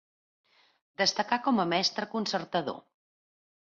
Destacà com a mestre concertador.